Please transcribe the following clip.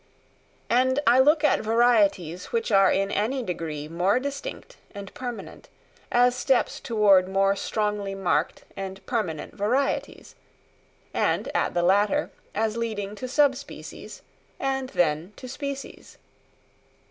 And I look at varieties which are in any degree more distinct and permanent, as steps towards more strongly marked and permanent varieties; and at the latter, as leading to sub species, and then to species.